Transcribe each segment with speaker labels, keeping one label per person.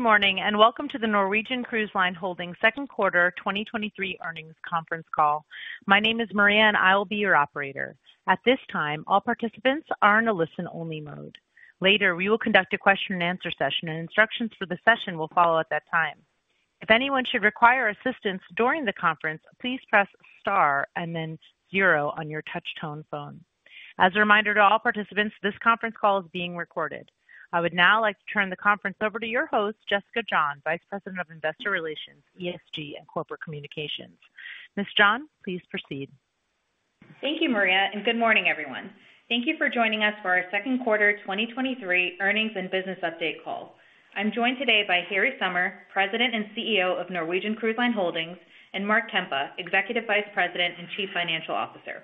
Speaker 1: Good morning, and welcome to the Norwegian Cruise Line Holdings second quarter 2023 earnings conference call. My name is Maria, and I will be your operator. At this time, all participants are in a listen-only mode. Later, we will conduct a question-and-answer session, and instructions for the session will follow at that time. If anyone should require assistance during the conference, please press star and then 0 on your touchtone phone. As a reminder to all participants, this conference call is being recorded. I would now like to turn the conference over to your host, Jessica John, Vice President of Investor Relations, ESG, and Corporate Communications. Ms. John, please proceed.
Speaker 2: Thank you, Maria, and good morning, everyone. Thank you for joining us for our second quarter 2023 earnings and business update call. I'm joined today by Harry Sommer, President and CEO of Norwegian Cruise Line Holdings, and Mark Kempa, Executive Vice President and Chief Financial Officer.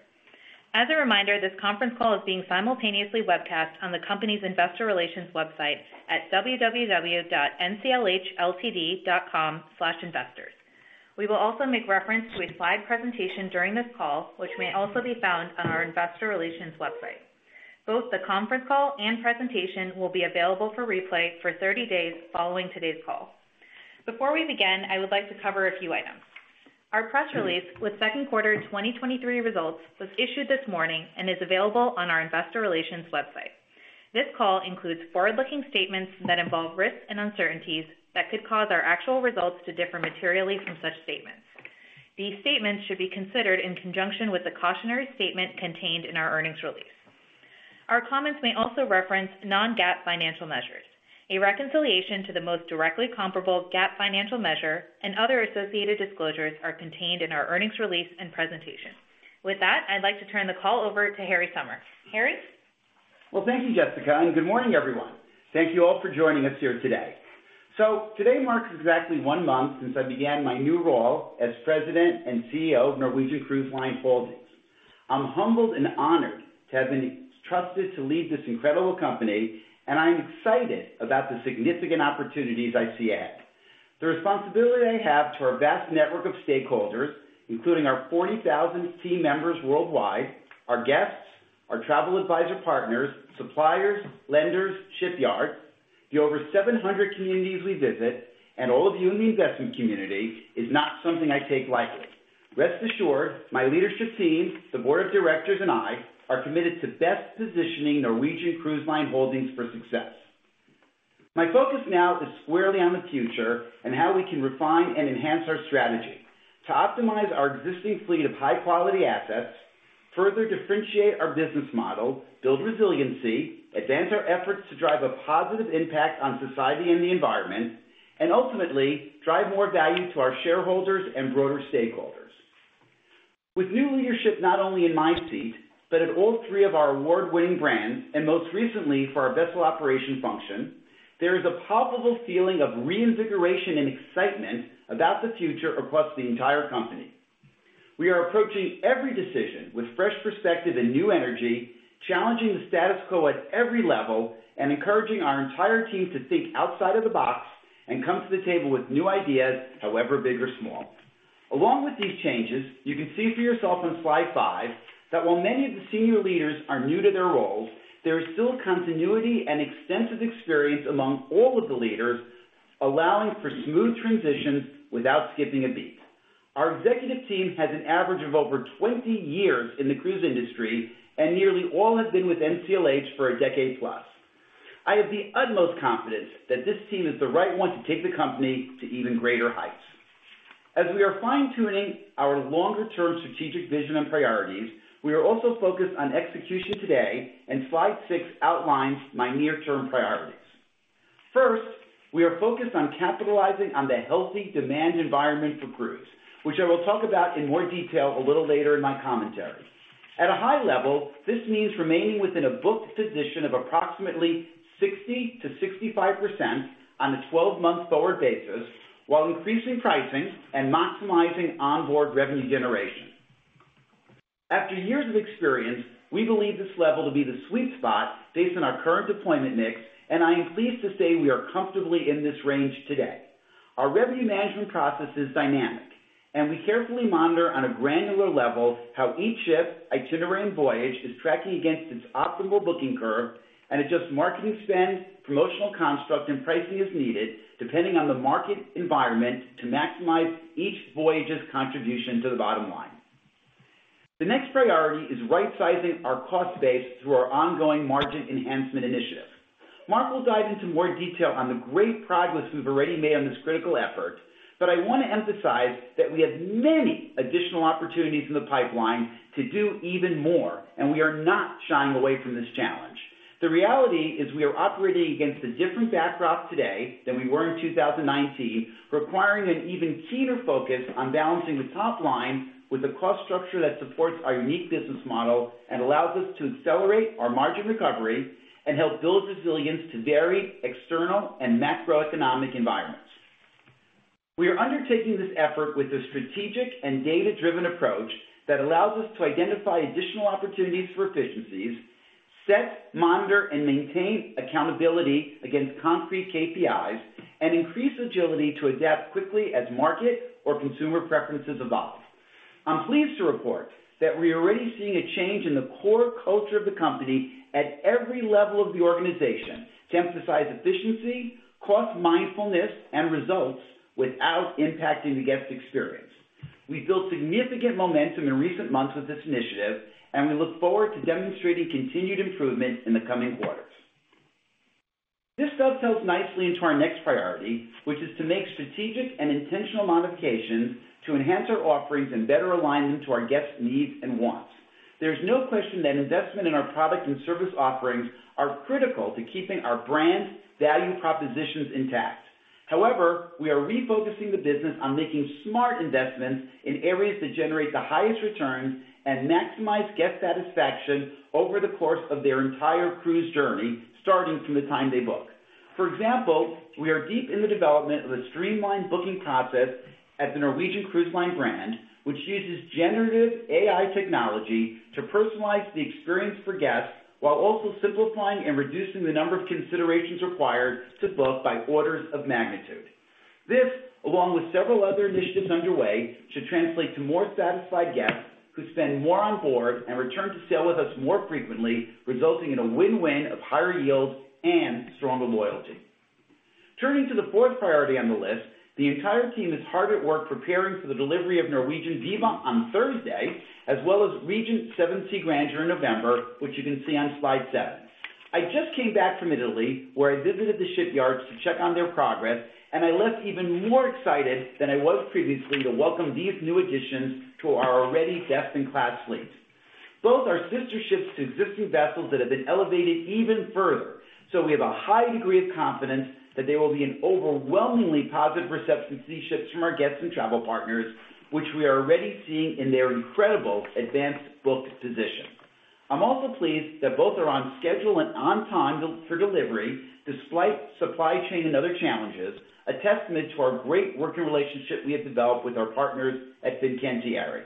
Speaker 2: As a reminder, this conference call is being simultaneously webcast on the company's investor relations website at www.nclhltd.com/investors. We will also make reference to a slide presentation during this call, which may also be found on our investor relations website. Both the conference call and presentation will be available for replay for 30 days following today's call. Before we begin, I would like to cover a few items. Our press release with second quarter 2023 results was issued this morning and is available on our investor relations website. This call includes forward-looking statements that involve risks and uncertainties that could cause our actual results to differ materially from such statements. These statements should be considered in conjunction with the cautionary statement contained in our earnings release. Our comments may also reference non-GAAP financial measures. A reconciliation to the most directly comparable GAAP financial measure and other associated disclosures are contained in our earnings release and presentation. With that, I'd like to turn the call over to Harry Sommer. Harry?
Speaker 3: Well, thank you, Jessica. Good morning, everyone. Thank you all for joining us here today. Today marks exactly one month since I began my new role as President and CEO of Norwegian Cruise Line Holdings. I'm humbled and honored to have been trusted to lead this incredible company. I'm excited about the significant opportunities I see ahead. The responsibility I have to our vast network of stakeholders, including our 40,000 team members worldwide, our guests, our travel advisor partners, suppliers, lenders, shipyards, the over 700 communities we visit, and all of you in the investment community, is not something I take lightly. Rest assured, my leadership team, the board of directors, and I are committed to best positioning Norwegian Cruise Line Holdings for success. My focus now is squarely on the future and how we can refine and enhance our strategy to optimize our existing fleet of high-quality assets, further differentiate our business model, build resiliency, advance our efforts to drive a positive impact on society and the environment, ultimately drive more value to our shareholders and broader stakeholders. With new leadership, not only in my seat, but at all three of our award-winning brands, most recently for our vessel operation function, there is a palpable feeling of reinvigoration and excitement about the future across the entire company. We are approaching every decision with fresh perspective and new energy, challenging the status quo at every level, encouraging our entire team to think outside of the box and come to the table with new ideas, however big or small. Along with these changes, you can see for yourself on slide 5, that while many of the senior leaders are new to their roles, there is still continuity and extensive experience among all of the leaders, allowing for smooth transitions without skipping a beat. Our executive team has an average of over 20 years in the cruise industry, and nearly all have been with NCLH for a decade plus. I have the utmost confidence that this team is the right one to take the company to even greater heights. As we are fine-tuning our longer-term strategic vision and priorities, we are also focused on execution today, and slide 6 outlines my near-term priorities. First, we are focused on capitalizing on the healthy demand environment for cruise, which I will talk about in more detail a little later in my commentary. At a high level, this means remaining within a booked position of approximately 60%-65% on a 12-month forward basis, while increasing pricing and maximizing onboard revenue generation. After years of experience, we believe this level to be the sweet spot based on our current deployment mix, and I am pleased to say we are comfortably in this range today. Our revenue management process is dynamic, and we carefully monitor on a granular level how each ship, itinerary, and voyage is tracking against its optimal booking curve and adjust marketing spend, promotional construct, and pricing as needed, depending on the market environment, to maximize each voyage's contribution to the bottom line. The next priority is right-sizing our cost base through our ongoing margin enhancement initiative. Mark will dive into more detail on the great progress we've already made on this critical effort, but I want to emphasize that we have many additional opportunities in the pipeline to do even more, and we are not shying away from this challenge. The reality is, we are operating against a different backdrop today than we were in 2019, requiring an even keener focus on balancing the top line with a cost structure that supports our unique business model and allows us to accelerate our margin recovery and help build resilience to varied external and macroeconomic environments. We are undertaking this effort with a strategic and data-driven approach that allows us to identify additional opportunities for efficiencies, set, monitor, and maintain accountability against concrete KPIs, and increase agility to adapt quickly as market or consumer preferences evolve. I'm pleased to report that we are already seeing a change in the core culture of the company at every level of the organization to emphasize efficiency, cost-mindfulness, and results without impacting the guest experience. We've built significant momentum in recent months with this initiative, and we look forward to demonstrating continued improvement in the coming quarters. This dovetails nicely into our next priority, which is to make strategic and intentional modifications to enhance our offerings and better align them to our guests' needs and wants. There's no question that investment in our product and service offerings are critical to keeping our brand value propositions intact. However, we are refocusing the business on making smart investments in areas that generate the highest returns and maximize guest satisfaction over the course of their entire cruise journey, starting from the time they book. For example, we are deep in the development of a streamlined booking process at the Norwegian Cruise Line brand, which uses generative AI technology to personalize the experience for guests, while also simplifying and reducing the number of considerations required to book by orders of magnitude. This, along with several other initiatives underway, should translate to more satisfied guests who spend more on board and return to sail with us more frequently, resulting in a win-win of higher yields and stronger loyalty. Turning to the fourth priority on the list, the entire team is hard at work preparing for the delivery of Norwegian Viva on Thursday, as well as Regent Seven Seas Grandeur in November, which you can see on slide seven. I just came back from Italy, where I visited the shipyards to check on their progress, and I left even more excited than I was previously to welcome these new additions to our already best-in-class fleet. Both are sister ships to existing vessels that have been elevated even further. We have a high degree of confidence that there will be an overwhelmingly positive reception to these ships from our guests and travel partners, which we are already seeing in their incredible advanced book position. I'm also pleased that both are on schedule and on time for delivery, despite supply chain and other challenges, a testament to our great working relationship we have developed with our partners at Fincantieri.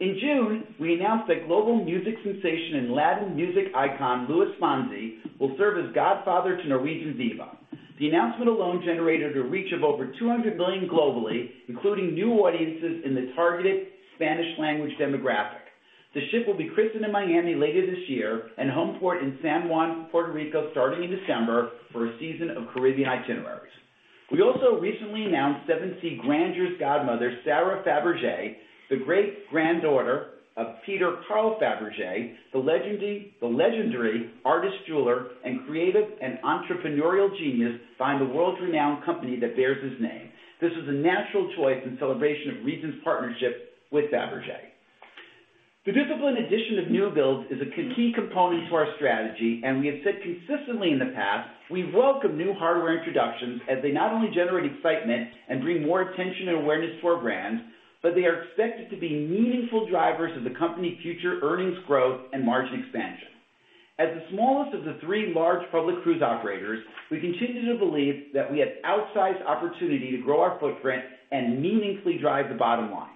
Speaker 3: In June, we announced that global music sensation and Latin music icon, Luis Fonsi, will serve as godfather to Norwegian Viva. The announcement alone generated a reach of over 200 million globally, including new audiences in the targeted Spanish language demographic. The ship will be christened in Miami later this year, and homeported in San Juan, Puerto Rico, starting in December for a season of Caribbean itineraries. We also recently announced Seven Seas Grandeur's godmother, Sarah Fabergé, the great-granddaughter of Peter Carl Fabergé, the legendary artist, jeweler, and creative and entrepreneurial genius behind the world-renowned company that bears his name. This is a natural choice in celebration of Regent's partnership with Fabergé. The disciplined addition of new builds is a key component to our strategy. We have said consistently in the past, we welcome new hardware introductions as they not only generate excitement and bring more attention and awareness to our brand, but they are expected to be meaningful drivers of the company's future earnings growth and margin expansion. As the smallest of the 3 large public cruise operators, we continue to believe that we have outsized opportunity to grow our footprint and meaningfully drive the bottom line.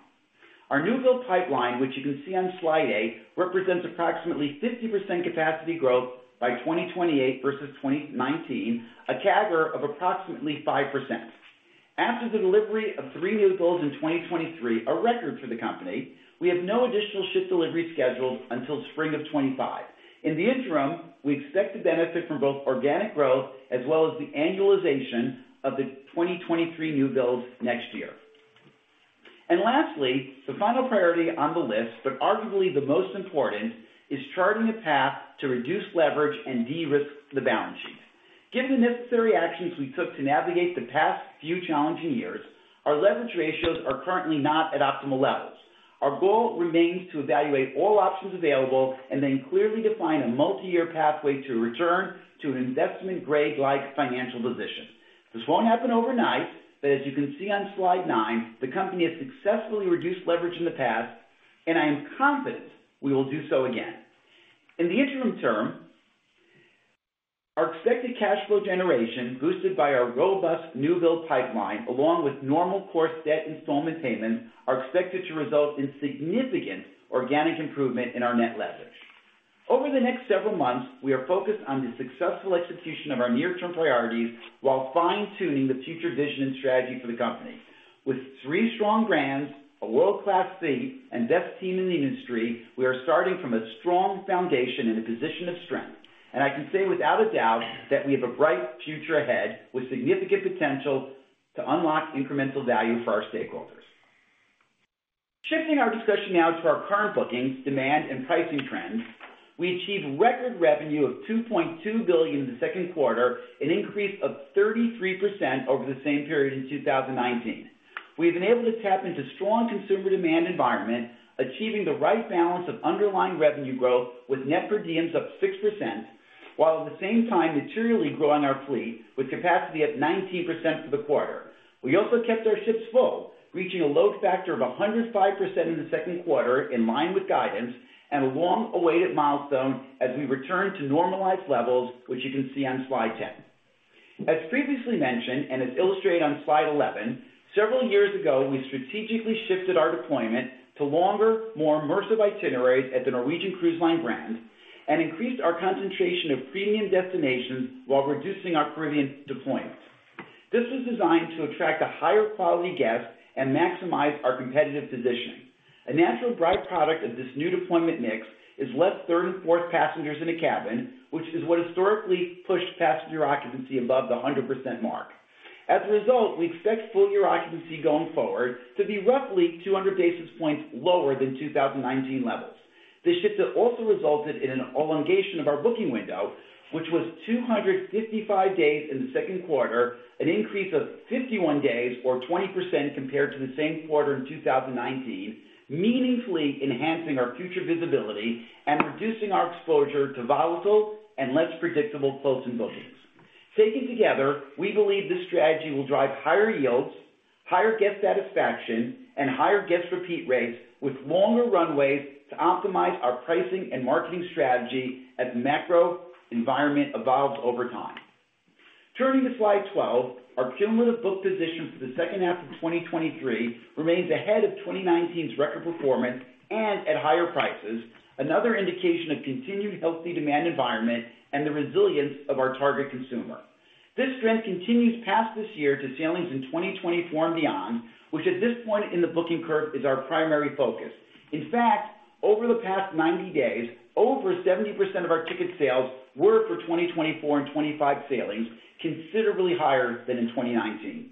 Speaker 3: Our new build pipeline, which you can see on slide 8, represents approximately 50% capacity growth by 2028 versus 2019, a CAGR of approximately 5%. After the delivery of 3 new builds in 2023, a record for the company, we have no additional ship deliveries scheduled until spring of 2025. In the interim, we expect to benefit from both organic growth as well as the annualization of the 2023 new builds next year. Lastly, the final priority on the list, but arguably the most important, is charting a path to reduce leverage and de-risk the balance sheet. Given the necessary actions we took to navigate the past few challenging years, our leverage ratios are currently not at optimal levels. Our goal remains to evaluate all options available and then clearly define a multi-year pathway to return to an investment-grade-like financial position. This won't happen overnight, but as you can see on slide 9, the company has successfully reduced leverage in the past, and I am confident we will do so again. In the interim term, our expected cash flow generation, boosted by our robust new build pipeline, along with normal course debt installment payments, are expected to result in significant organic improvement in our net leverage. Over the next several months, we are focused on the successful execution of our near-term priorities, while fine-tuning the future vision and strategy for the company. With three strong brands, a world-class fleet, and best team in the industry, we are starting from a strong foundation in a position of strength. I can say without a doubt that we have a bright future ahead, with significant potential to unlock incremental value for our stakeholders. Shifting our discussion now to our current bookings, demand, and pricing trends. We achieved record revenue of $2.2 billion in the second quarter, an increase of 33% over the same period in 2019. We've been able to tap into strong consumer demand environment, achieving the right balance of underlying revenue growth with Net Per Diems up 6%, while at the same time materially growing our fleet with capacity at 19% for the quarter. We also kept our ships full, reaching a load factor of 105% in the second quarter, in line with guidance and a long-awaited milestone as we return to normalized levels, which you can see on slide 10. As previously mentioned, and as illustrated on slide 11, several years ago, we strategically shifted our deployment to longer, more immersive itineraries at the Norwegian Cruise Line brand and increased our concentration of premium destinations while reducing our Caribbean deployments. This was designed to attract a higher quality guest and maximize our competitive position. A natural by-product of this new deployment mix is less third and fourth passengers in a cabin, which is what historically pushed passenger occupancy above the 100% mark. As a result, we expect full year occupancy going forward to be roughly 200 basis points lower than 2019 levels. This shift has also resulted in an elongation of our booking window, which was 255 days in the second quarter, an increase of 51 days or 20% compared to the same quarter in 2019, meaningfully enhancing our future visibility and reducing our exposure to volatile and less predictable closing bookings. Taken together, we believe this strategy will drive higher yields, higher guest satisfaction, and higher guest repeat rates, with longer runways to optimize our pricing and marketing strategy as the macro environment evolves over time. Turning to slide 12, our cumulative book position for the second half of 2023 remains ahead of 2019's record performance and at higher prices, another indication of continued healthy demand environment and the resilience of our target consumer. This trend continues past this year to sailings in 2024 and beyond, which at this point in the booking curve, is our primary focus. In fact, over the past 90 days, over 70% of our ticket sales were for 2024 and 2025 sailings, considerably higher than in 2019.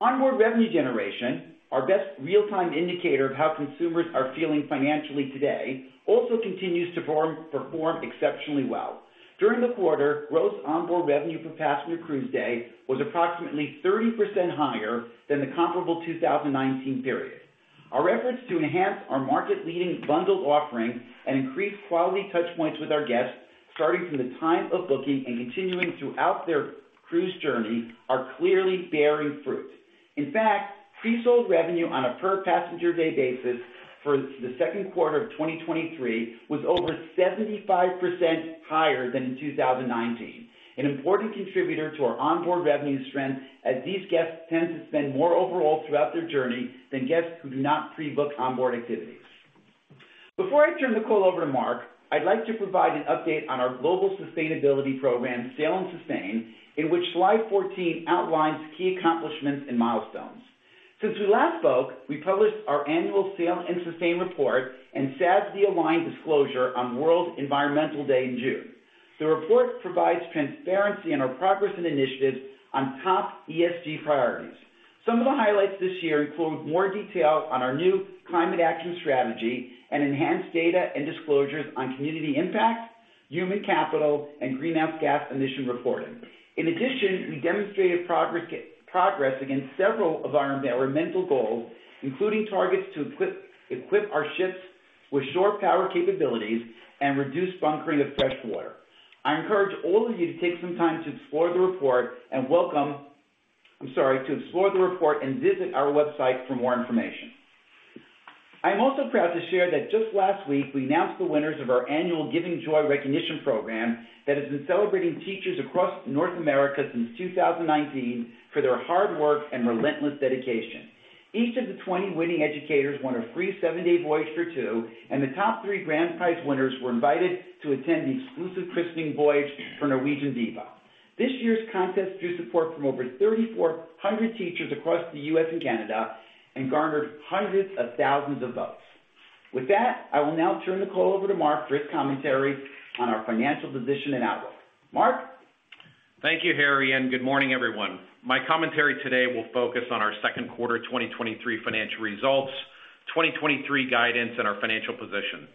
Speaker 3: Onboard revenue generation, our best real-time indicator of how consumers are feeling financially today, also continues to perform exceptionally well. During the quarter, gross onboard revenue per passenger cruise day was approximately 30% higher than the comparable 2019 period. Our efforts to enhance our market-leading bundled offerings and increase quality touch points with our guests, starting from the time of booking and continuing throughout their cruise journey, are clearly bearing fruit. In fact, pre-sold revenue on a per passenger day basis for the second quarter of 2023 was over 75% higher than in 2019, an important contributor to our onboard revenue strength, as these guests tend to spend more overall throughout their journey than guests who do not pre-book onboard activities. Before I turn the call over to Mark, I'd like to provide an update on our global sustainability program, Sail & Sustain, in which slide 14 outlines key accomplishments and milestones. Since we last spoke, we published our annual Sail & Sustain report and SASB-aligned disclosure on World Environment Day in June. The report provides transparency on our progress and initiatives on top ESG priorities. Some of the highlights this year include more detail on our new climate action strategy and enhanced data and disclosures on community impact, human capital, and greenhouse gas emission reporting. In addition, we demonstrated progress against several of our environmental goals, including targets to equip our ships with shore power capabilities and reduce bunkering of fresh water. I encourage all of you to take some time to explore the report. I'm sorry, to explore the report and visit our website for more information. I'm also proud to share that just last week, we announced the winners of our annual Giving Joy recognition program that has been celebrating teachers across North America since 2019 for their hard work and relentless dedication. Each of the 20 winning educators won a free 7-day voyage for 2, and the top 3 grand prize winners were invited to attend the exclusive christening voyage for Norwegian Viva. This year's contest drew support from over 3,400 teachers across the U.S. and Canada, and garnered hundreds of thousands of votes. With that, I will now turn the call over to Mark for his commentary on our financial position and outlook. Mark?
Speaker 4: Thank you, Harry. Good morning, everyone. My commentary today will focus on our second quarter 2023 financial results, 2023 guidance, and our financial position.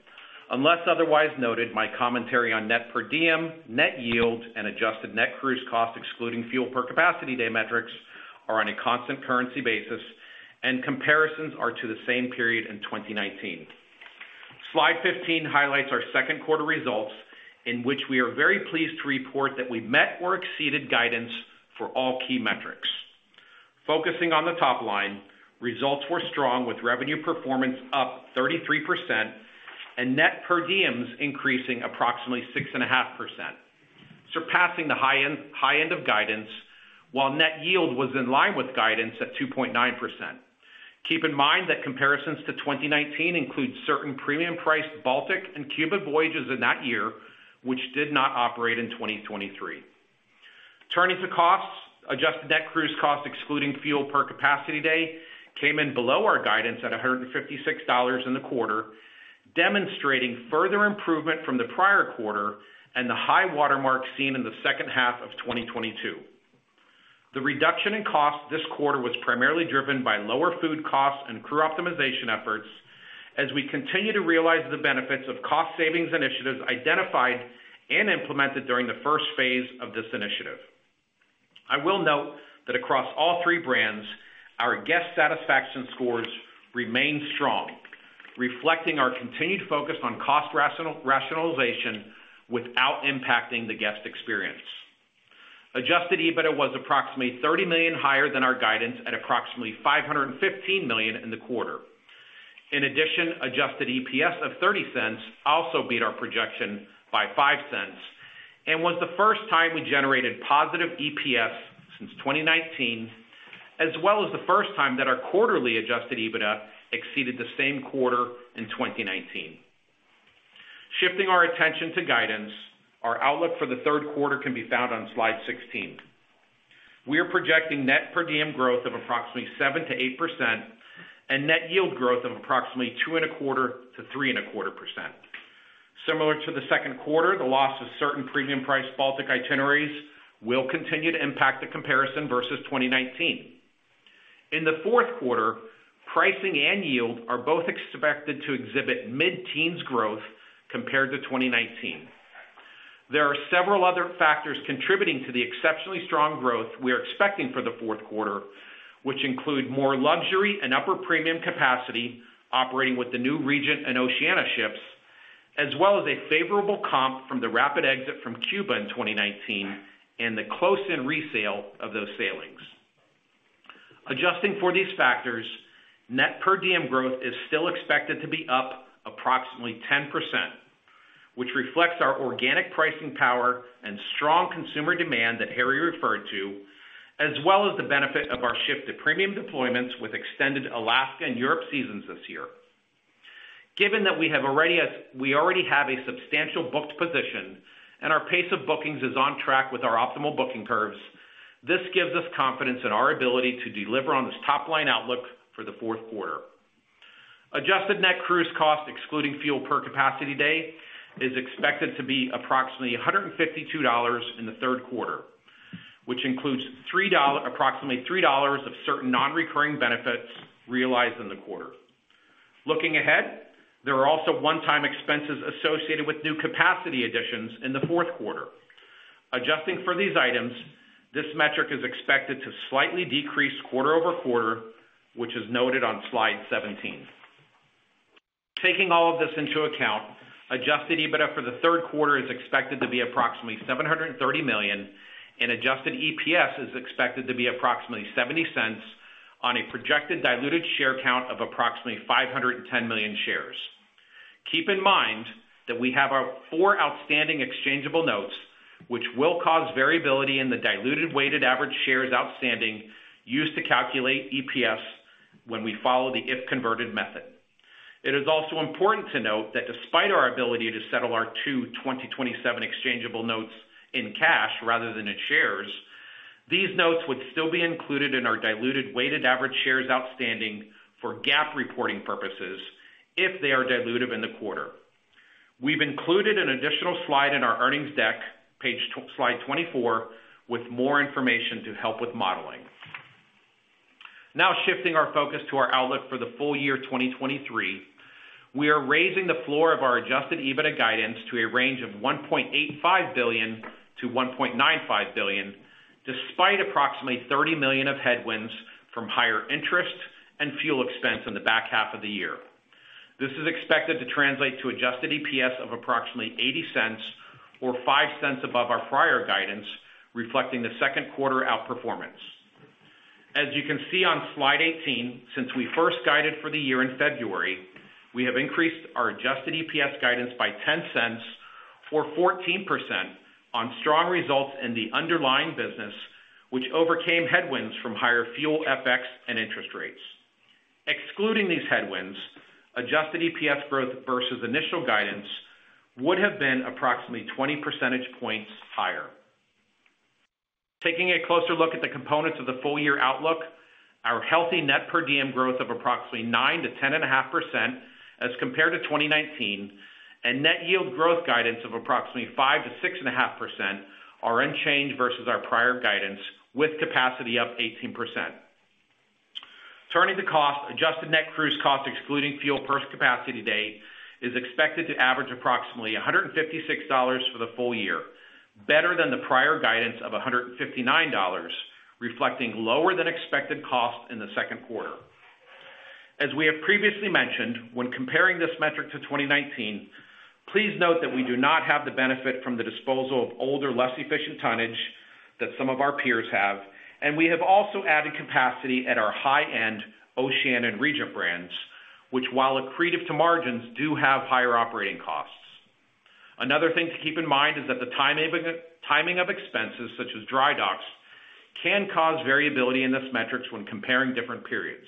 Speaker 4: Unless otherwise noted, my commentary on Net Per Diem, Net Yield, and Adjusted Net Cruise Cost, excluding fuel per capacity day metrics, are on a constant currency basis, and comparisons are to the same period in 2019. Slide 15 highlights our second quarter results, in which we are very pleased to report that we met or exceeded guidance for all key metrics. Focusing on the top line, results were strong, with revenue performance up 33% and Net Per Diems increasing approximately 6.5%, surpassing the high end of guidance, while Net Yield was in line with guidance at 2.9%. Keep in mind that comparisons to 2019 include certain premium-priced Baltic and Cuba voyages in that year, which did not operate in 2023. Turning to costs. Adjusted Net Cruise costs, excluding fuel per capacity day, came in below our guidance at $156 in the quarter, demonstrating further improvement from the prior quarter and the high watermark seen in the second half of 2022. The reduction in cost this quarter was primarily driven by lower food costs and crew optimization efforts as we continue to realize the benefits of cost savings initiatives identified and implemented during the first phase of this initiative. I will note that across all three brands, our guest satisfaction scores remain strong, reflecting our continued focus on cost rationalization without impacting the guest experience. Adjusted EBITDA was approximately $30 million higher than our guidance, at approximately $515 million in the quarter. In addition, Adjusted EPS of $0.30 also beat our projection by $0.05 and was the first time we generated positive EPS since 2019, as well as the first time that our quarterly Adjusted EBITDA exceeded the same quarter in 2019. Shifting our attention to guidance, our outlook for the third quarter can be found on slide 16. We are projecting Net Per Diem growth of approximately 7%-8% and Net Yield growth of approximately 2.25%-3.25%. Similar to the second quarter, the loss of certain premium price Baltic itineraries will continue to impact the comparison versus 2019. In the fourth quarter, pricing and yield are both expected to exhibit mid-teens growth compared to 2019. There are several other factors contributing to the exceptionally strong growth we are expecting for the fourth quarter, which include more luxury and upper-premium capacity operating with the new Regent and Oceania ships, as well as a favorable comp from the rapid exit from Cuba in 2019 and the close-in resale of those sailings. Adjusting for these factors, Net Per Diem growth is still expected to be up approximately 10%, which reflects our organic pricing power and strong consumer demand that Harry referred to, as well as the benefit of our shift to premium deployments with extended Alaska and Europe seasons this year. Given that we already have a substantial booked position and our pace of bookings is on track with our optimal booking curves, this gives us confidence in our ability to deliver on this top-line outlook for the fourth quarter. Adjusted Net Cruise Cost, excluding fuel per capacity day, is expected to be approximately $152 in the third quarter, which includes approximately $3 of certain non-recurring benefits realized in the quarter. Looking ahead, there are also one-time expenses associated with new capacity additions in the fourth quarter. Adjusting for these items, this metric is expected to slightly decrease quarter-over-quarter, which is noted on slide 17. Taking all of this into account, Adjusted EBITDA for the third quarter is expected to be approximately $730 million, and Adjusted EPS is expected to be approximately $0.70 on a projected diluted share count of approximately 510 million shares. Keep in mind that we have our 4 outstanding exchangeable notes, which will cause variability in the diluted weighted average shares outstanding used to calculate EPS when we follow the if-converted method. It is also important to note that despite our ability to settle our 2 2027 exchangeable notes in cash rather than in shares, these notes would still be included in our diluted weighted average shares outstanding for GAAP reporting purposes if they are dilutive in the quarter. We've included an additional slide in our earnings deck, slide 24, with more information to help with modeling. Now, shifting our focus to our outlook for the full year 2023, we are raising the floor of our Adjusted EBITDA guidance to a range of $1.85 billion-$1.95 billion, despite approximately $30 million of headwinds from higher interest and fuel expense in the back half of the year. This is expected to translate to Adjusted EPS of approximately $0.80 or $0.05 above our prior guidance, reflecting the second quarter outperformance. As you can see on slide 18, since we first guided for the year in February, we have increased our Adjusted EPS guidance by $0.10 for 14% on strong results in the underlying business, which overcame headwinds from higher fuel, FX, and interest rates. Excluding these headwinds, Adjusted EPS growth versus initial guidance would have been approximately 20 percentage points higher. Taking a closer look at the components of the full-year outlook, our healthy Net Per Diem growth of approximately 9%-10.5% as compared to 2019, and Net Yield growth guidance of approximately 5%-6.5% are unchanged versus our prior guidance, with capacity up 18%. Turning to cost, Adjusted Net Cruise Cost, excluding fuel per capacity day, is expected to average approximately $156 for the full year, better than the prior guidance of $159, reflecting lower than expected costs in the second quarter. As we have previously mentioned, when comparing this metric to 2019, please note that we do not have the benefit from the disposal of older, less efficient tonnage that some of our peers have, and we have also added capacity at our high-end Oceania and Regent brands, which, while accretive to margins, do have higher operating costs. Another thing to keep in mind is that the timing of expenses, such as dry docks, can cause variability in this metrics when comparing different periods.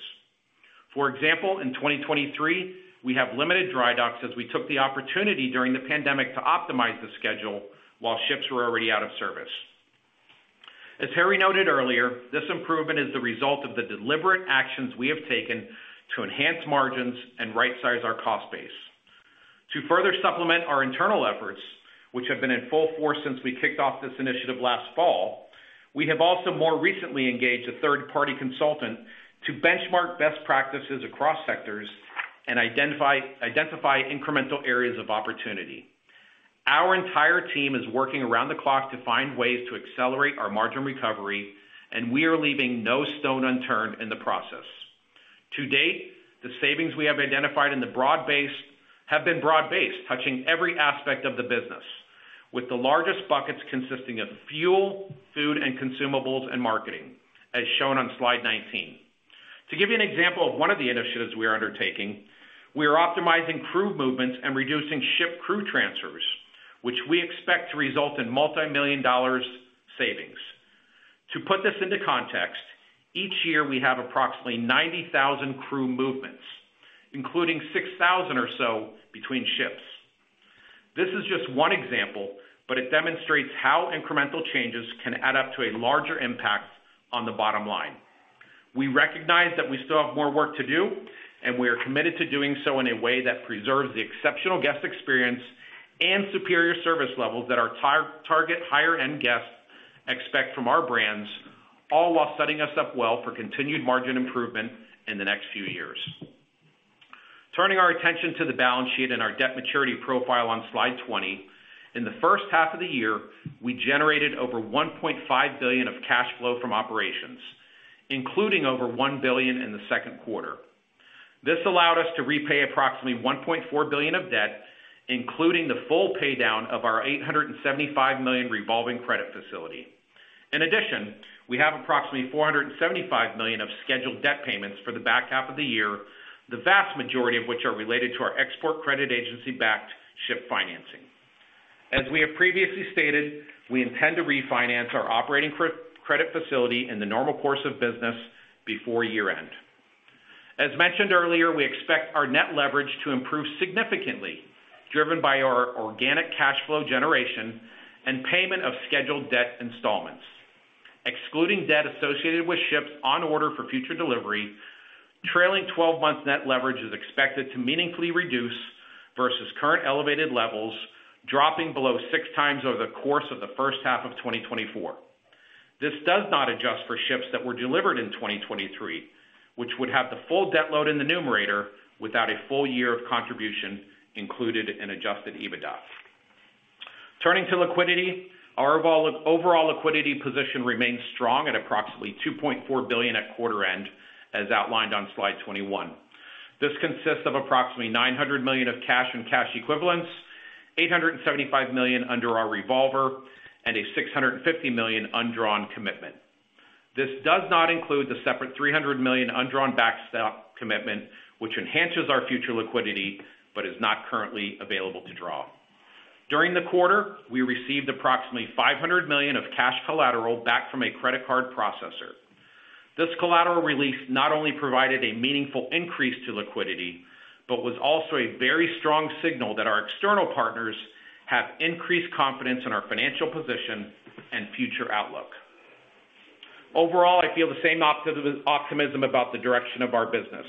Speaker 4: For example, in 2023, we have limited dry docks as we took the opportunity during the pandemic to optimize the schedule while ships were already out of service. As Harry noted earlier, this improvement is the result of the deliberate actions we have taken to enhance margins and rightsize our cost base. To further supplement our internal efforts, which have been in full force since we kicked off this initiative last fall, we have also more recently engaged a third-party consultant to benchmark best practices across sectors and identify incremental areas of opportunity. Our entire team is working around the clock to find ways to accelerate our margin recovery. We are leaving no stone unturned in the process. To date, the savings we have identified have been broad-based, touching every aspect of the business, with the largest buckets consisting of fuel, food and consumables, and marketing, as shown on slide 19. To give you an example of one of the initiatives we are undertaking, we are optimizing crew movements and reducing ship crew transfers, which we expect to result in multimillion dollars savings. To put this into context, each year we have approximately 90,000 crew movements, including 6,000 or so between ships. This is just one example, but it demonstrates how incremental changes can add up to a larger impact on the bottom line. We recognize that we still have more work to do, and we are committed to doing so in a way that preserves the exceptional guest experience and superior service levels that our target higher-end guests expect from our brands, all while setting us up well for continued margin improvement in the next few years. Turning our attention to the balance sheet and our debt maturity profile on slide 20. In the first half of the year, we generated over $1.5 billion of cash flow from operations, including over $1 billion in the second quarter. This allowed us to repay approximately $1.4 billion of debt, including the full paydown of our $875 million revolving credit facility. In addition, we have approximately $475 million of scheduled debt payments for the back half of the year, the vast majority of which are related to our export credit agency-backed ship financing. As we have previously stated, we intend to refinance our operating credit facility in the normal course of business before year-end. As mentioned earlier, we expect our net leverage to improve significantly, driven by our organic cash flow generation and payment of scheduled debt installments. Excluding debt associated with ships on order for future delivery, trailing-twelve-month net leverage is expected to meaningfully reduce versus current elevated levels, dropping below 6x over the course of the first half of 2024. This does not adjust for ships that were delivered in 2023, which would have the full debt load in the numerator without a full year of contribution included in Adjusted EBITDA. Turning to liquidity, our overall liquidity position remains strong at approximately $2.4 billion at quarter-end, as outlined on slide 21. This consists of approximately $900 million of cash and cash equivalents, $875 million under our revolver and a $650 million undrawn commitment. This does not include the separate $300 million undrawn backstop commitment, which enhances our future liquidity, but is not currently available to draw. During the quarter, we received approximately $500 million of cash collateral back from a credit card processor. This collateral release not only provided a meaningful increase to liquidity, but was also a very strong signal that our external partners have increased confidence in our financial position and future outlook. Overall, I feel the same optimism about the direction of our business.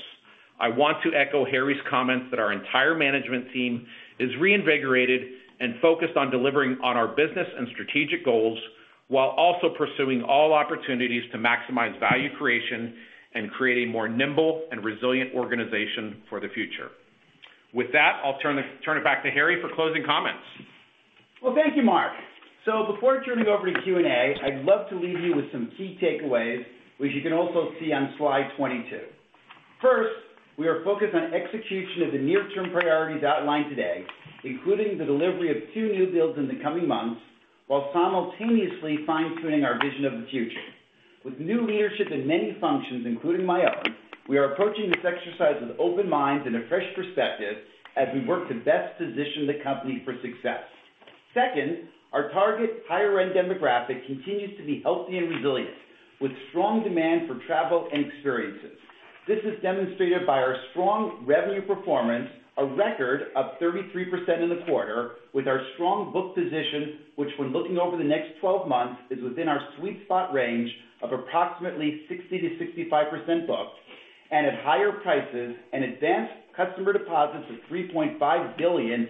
Speaker 4: I want to echo Harry's comments that our entire management team is reinvigorated and focused on delivering on our business and strategic goals, while also pursuing all opportunities to maximize value creation and create a more nimble and resilient organization for the future. With that, I'll turn it back to Harry for closing comments.
Speaker 3: Well, thank you, Mark. Before turning over to Q&A, I'd love to leave you with some key takeaways, which you can also see on slide 22. First, we are focused on execution of the near-term priorities outlined today, including the delivery of two new builds in the coming months, while simultaneously fine-tuning our vision of the future. With new leadership in many functions, including my own, we are approaching this exercise with open minds and a fresh perspective as we work to best position the company for success. Second, our target higher-end demographic continues to be healthy and resilient, with strong demand for travel and experiences. This is demonstrated by our strong revenue performance, a record of 33% in the quarter, with our strong book position, which, when looking over the next 12 months, is within our sweet spot range of approximately 60%-65% booked and at higher prices. Advanced customer deposits of $3.5 billion,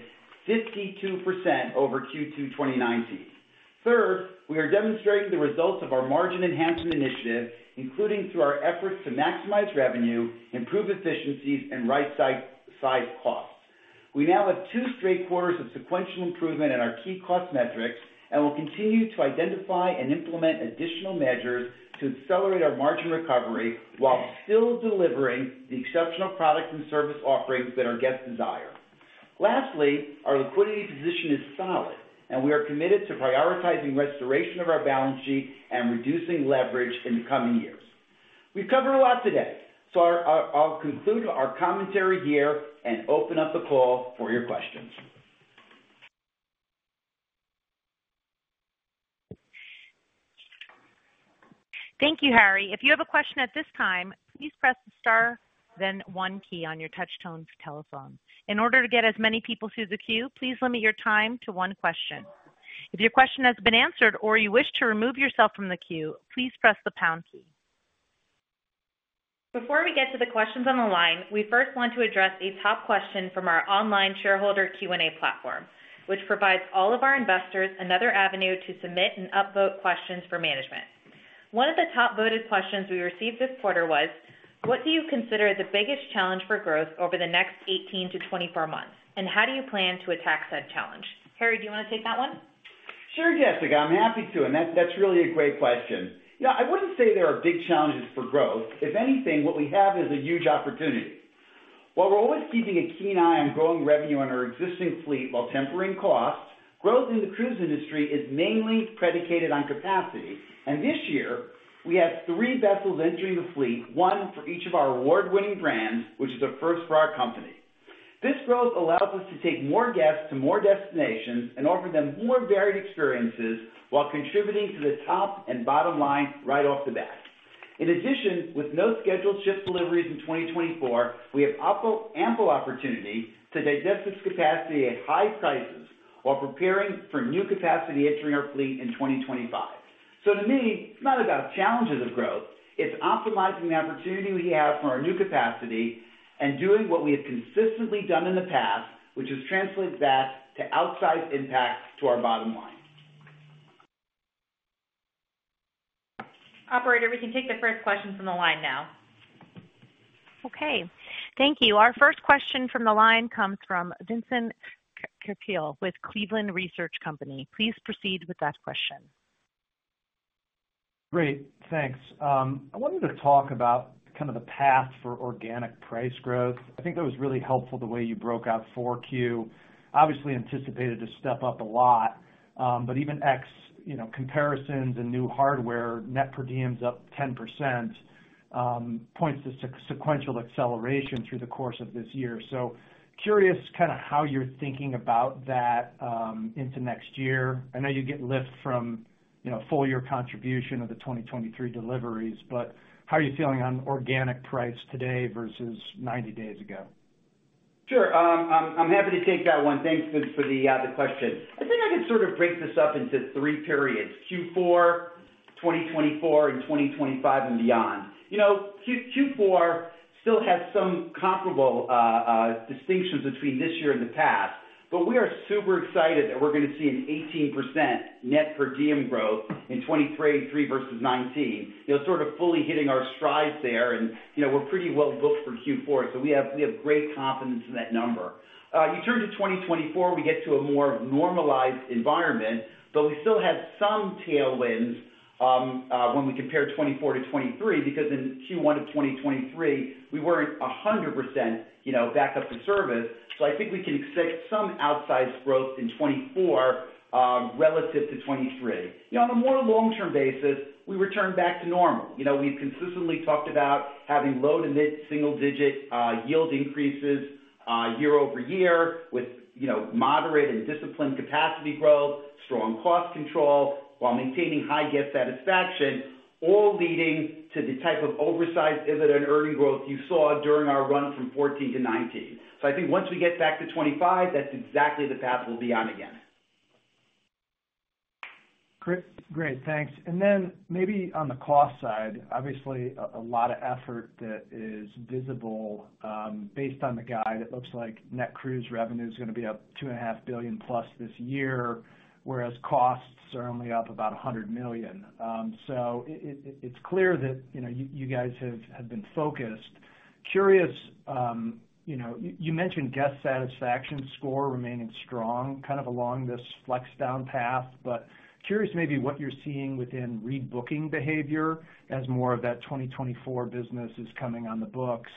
Speaker 3: 52% over Q2-2019. Third, we are demonstrating the results of our margin enhancement initiative, including through our efforts to maximize revenue, improve efficiencies, and right-size costs. We now have 2 straight quarters of sequential improvement in our key cost metrics and will continue to identify and implement additional measures to accelerate our margin recovery while still delivering the exceptional products and service offerings that our guests desire. Lastly, our liquidity position is solid, and we are committed to prioritizing restoration of our balance sheet and reducing leverage in the coming years. We've covered a lot today, so I'll conclude our commentary here and open up the call for your questions.
Speaker 1: Thank you, Harry. If you have a question at this time, please press the star, then one key on your touchtone telephone. In order to get as many people through the queue, please limit your time to one question. If your question has been answered or you wish to remove yourself from the queue, please press the pound key.
Speaker 2: Before we get to the questions on the line, we first want to address a top question from our online shareholder Q&A platform, which provides all of our investors another avenue to submit and upvote questions for management. One of the top-voted questions we received this quarter was: What do you consider the biggest challenge for growth over the next 18-24 months, and how do you plan to attack that challenge? Harry, do you want to take that one?
Speaker 3: Sure, Jessica, I'm happy to, and that's, that's really a great question. Yeah, I wouldn't say there are big challenges for growth. If anything, what we have is a huge opportunity. While we're always keeping a keen eye on growing revenue on our existing fleet while tempering costs, growth in the cruise industry is mainly predicated on capacity, and this year we have three vessels entering the fleet, one for each of our award-winning brands, which is a first for our company. This growth allows us to take more guests to more destinations and offer them more varied experiences, while contributing to the top and bottom line right off the bat. In addition, with no scheduled ship deliveries in 2024, we have ample opportunity to digest this capacity at high prices while preparing for new capacity entering our fleet in 2025. To me, it's not about challenges of growth, it's optimizing the opportunity we have for our new capacity and doing what we have consistently done in the past, which is translate that to outsized impacts to our bottom line.
Speaker 2: Operator, we can take the first question from the line now.
Speaker 1: Okay, thank you. Our first question from the line comes from Vincent Ciepiel with Cleveland Research Company. Please proceed with that question.
Speaker 5: Great, thanks. I want you to talk about kind of the path for organic price growth. I think that was really helpful, the way you broke out 4Q. Obviously anticipated to step up a lot, but even X, you know, comparisons and new hardware, Net Per Diem is up 10%, points to sequential acceleration through the course of this year. Curious kind of how you're thinking about that, into next year. I know you get lift from, you know, full year contribution of the 2023 deliveries, but how are you feeling on organic price today versus 90 days ago?
Speaker 3: Sure. I'm, I'm happy to take that one. Thanks, Vince, for the question. I think I could sort of break this up into three periods: Q4, 2024, and 2025 and beyond. You know, Q4 still has some comparable distinctions between this year and the past, but we are super excited that we're going to see an 18% Net Per Diem growth in 2023 versus 2019. You know, sort of fully hitting our strides there, and, you know, we're pretty well booked for Q4, so we have, we have great confidence in that number. You turn to 2024, we get to a more normalized environment, but we still have some tailwinds when we compare 2024 to 2023, because in Q1 of 2023, we weren't 100%, you know, back up to service. I think we can expect some outsized growth in 2024 relative to 2023. You know, on a more long-term basis, we return back to normal. You know, we've consistently talked about having low to mid-single digit yield increases year-over-year with, you know, moderate and disciplined capacity growth, strong cost control while maintaining high guest satisfaction, all leading to the type of oversized EBITDA and earning growth you saw during our run from 2014 to 2019. I think once we get back to 2025, that's exactly the path we'll be on again.
Speaker 5: Great, great, thanks. Then maybe on the cost side, obviously a lot of effort that is visible, uhm, based on the guide. It looks like net cruise revenue is going to be up $2.5 billion plus this year, whereas costs are only up about $100 million. It's clear that, you know, you guys have been focused. Curious, you know, you mentioned guest satisfaction score remaining strong, kind of along this flex down path, but curious maybe what you're seeing within rebooking behavior as more of that 2024 business is coming on the books,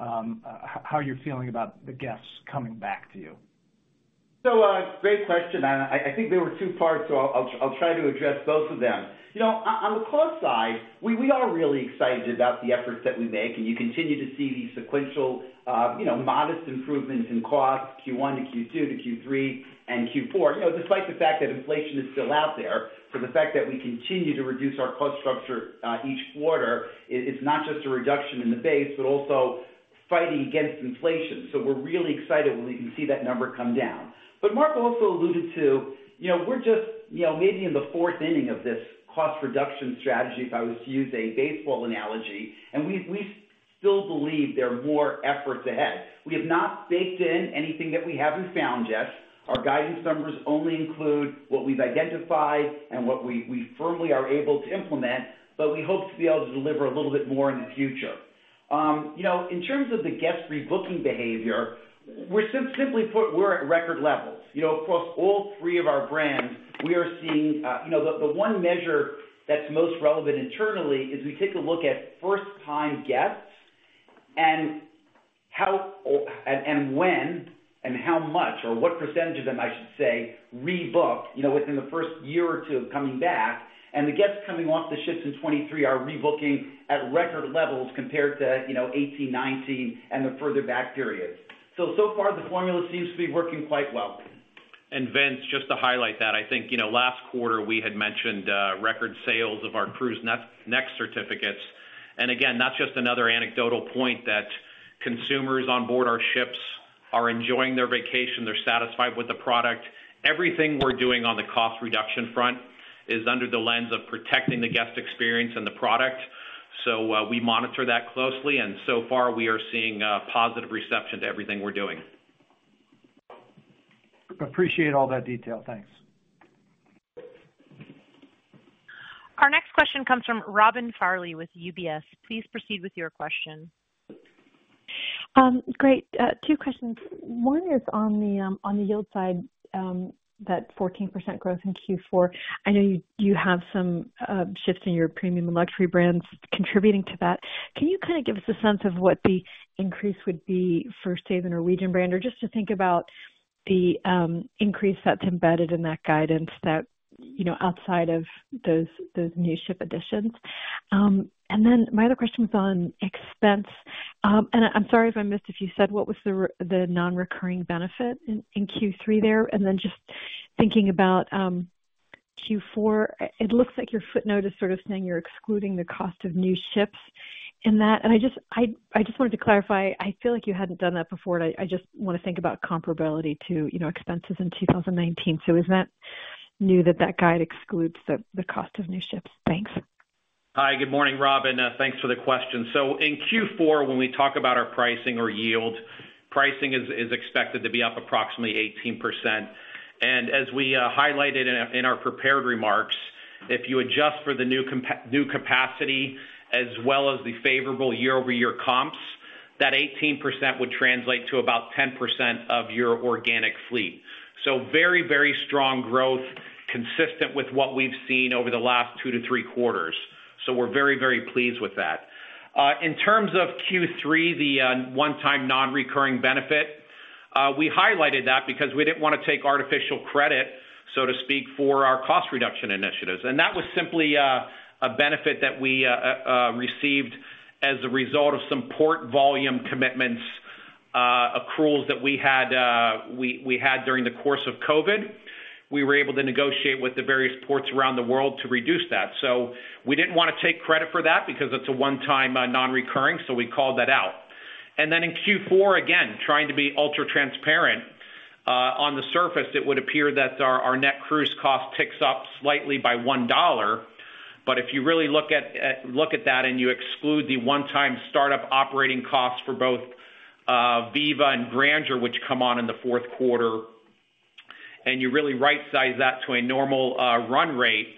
Speaker 5: uhm, how are you feeling about the guests coming back to you?
Speaker 3: Great question, and I think there were two parts, so I'll try to address both of them. You know, on the cost side, we, we are really excited about the efforts that we make, and you continue to see these sequential, you know, modest improvements in cost Q1 to Q2 to Q3 and Q4. You know, despite the fact that inflation is still out there, the fact that we continue to reduce our cost structure, each quarter is, is not just a reduction in the base, but also fighting against inflation. We're really excited when we can see that number come down. Mark also alluded to, you know, we're just, you know, maybe in the fourth inning of this cost reduction strategy, if I was to use a baseball analogy, and we, we still believe there are more efforts ahead. We have not baked in anything that we haven't found yet. Our guidance numbers only include what we've identified and what we, we firmly are able to implement, but we hope to be able to deliver a little bit more in the future. You know, in terms of the guest rebooking behavior, we're simply put, we're at record levels. You know, across all three of our brands, we are seeing, you know, the, the one measure that's most relevant internally is we take a look at first-time guests and how and when and how much, or what percentage of them, I should say, rebook, you know, within the first year or two of coming back, and the guests coming off the ships in 2023 are rebooking at record levels compared to, you know, 2018, 2019 and the further back periods. So far, the formula seems to be working quite well.
Speaker 4: Vince, just to highlight that, I think, you know, last quarter we had mentioned record sales of our CruiseNext certificates. Again, that's just another anecdotal point that consumers on board our ships are enjoying their vacation. They're satisfied with the product. Everything we're doing on the cost reduction front is under the lens of protecting the guest experience and the product. We monitor that closely, and so far we are seeing positive reception to everything we're doing.
Speaker 5: Appreciate all that detail. Thanks.
Speaker 1: Our next question comes from Robin Farley with UBS. Please proceed with your question.
Speaker 6: Great. 2 questions. One is on the yield side, that 14% growth in Q4. I know you, you have some shifts in your premium and luxury brands contributing to that. Can you kind of give us a sense of what the increase would be for saving Norwegian brand, or just to think about the increase that's embedded in that guidance that you know, outside of those, those new ship additions. Then my other question was on expense. I'm sorry if I missed, if you said what was the non-recurring benefit in, in Q3 there? Then just thinking about Q4, it looks like your footnote is sort of saying you're excluding the cost of new ships in that. I just, I just wanted to clarify. I feel like you hadn't done that before, I, I just wanna think about comparability to, you know, expenses in 2019. Is that new, that that guide excludes the, the cost of new ships? Thanks.
Speaker 4: Hi, good morning, Robin, thanks for the question. In Q4, when we talk about our pricing or yield, pricing is, is expected to be up approximately 18%. As we highlighted in our, in our prepared remarks, if you adjust for the new capacity as well as the favorable year-over-year comps, that 18% would translate to about 10% of your organic fleet. Very, very strong growth, consistent with what we've seen over the last 2-3 quarters. We're very, very pleased with that. In terms of Q3, the one-time non-recurring benefit, we highlighted that because we didn't want to take artificial credit, so to speak, for our cost reduction initiatives. That was simply a benefit that we received as a result of some port volume commitments, accruals that we had, we, we had during the course of COVID. We were able to negotiate with the various ports around the world to reduce that. We didn't wanna take credit for that because it's a one-time, non-recurring, so we called that out. Then in Q4, again, trying to be ultra-transparent, on the surface, it would appear that our, our net cruise cost ticks up slightly by $1. If you really look at, look at that, and you exclude the one-time startup operating costs for both Viva and Grandeur, which come on in the fourth quarter, and you really right-size that to a normal run rate,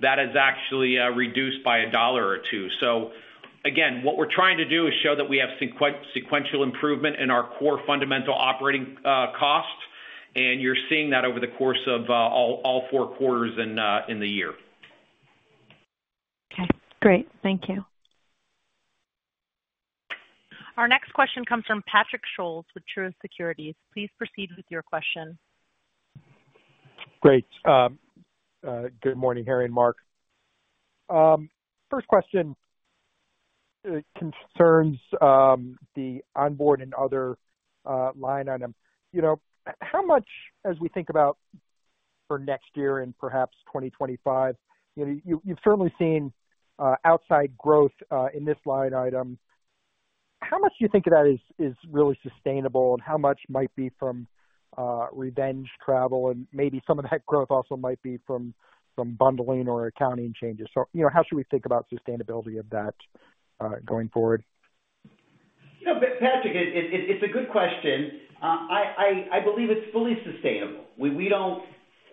Speaker 4: that is actually reduced by a $1 or $2. Again, what we're trying to do is show that we have sequential improvement in our core fundamental operating costs, and you're seeing that over the course of all four quarters in the year.
Speaker 6: Okay, great. Thank you.
Speaker 1: Our next question comes from Patrick Scholes with Truist Securities. Please proceed with your question.
Speaker 7: Great. Good morning, Harry and Mark. First question, concerns the onboard and other line item. You know, how much as we think about for next year and perhaps 2025, you know, you've certainly seen outside growth in this line item. How much do you think of that is really sustainable, and how much might be from revenge travel? Maybe some of that growth also might be from, from bundling or accounting changes. You know, how should we think about sustainability of that going forward?
Speaker 4: You know, Patrick, it, it, it's a good question. I, I, I believe it's fully sustainable. We, we don't,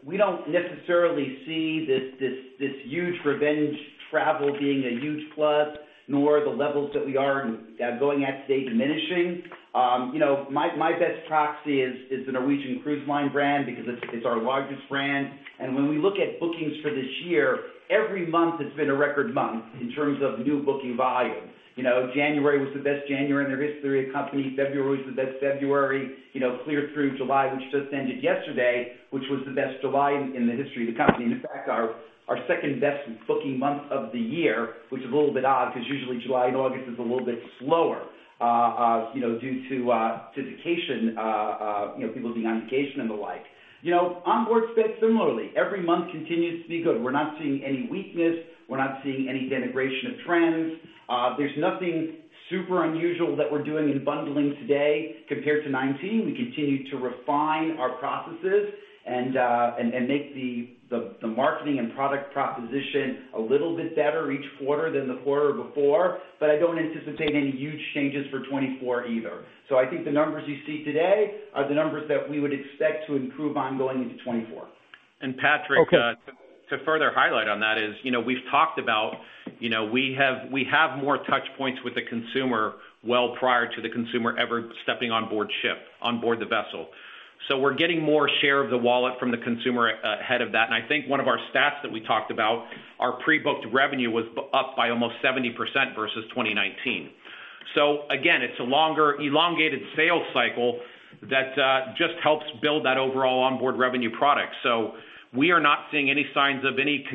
Speaker 4: we don't necessarily see this, this, this huge revenge travel being a huge plus, nor the levels that we are going at today diminishing. You know, my, my best proxy is, is the Norwegian Cruise Line brand, because it's, it's our largest brand. When we look at bookings for this year, every month has been a record month in terms of new booking volumes. You know, January was the best January in the history of the company. February was the best February, you know, clear through July, which just ended yesterday, which was the best July in, in the history of the company. In fact, our, our 2nd best booking month of the year, which is a little bit odd, because usually July and August is a little bit slower, you know, due to, to vacation, you know, people being on vacation and the like. You know, onboard spent similarly, every month continues to be good. We're not seeing any weakness. We're not seeing any denigration of trends. There's nothing super unusual that we're doing in bundling today compared to 2019. We continue to refine our processes and make the, the, the marketing and product proposition a little bit better each quarter than the quarter before, but I don't anticipate any huge changes for 2024 either. I think the numbers you see today are the numbers that we would expect to improve on going into 2024.
Speaker 7: Okay.
Speaker 4: Patrick, to further highlight on that is, you know, we've talked about, you know, we have, we have more touch points with the consumer well prior to the consumer ever stepping on board ship, on board the vessel. So we're getting more share of the wallet from the consumer ahead of that. And I think one of our stats that we talked about, our pre-booked revenue was up by almost 70% versus 2019. So again, it's a longer elongated sales cycle that just helps build that overall onboard revenue product. So we are not seeing any signs of any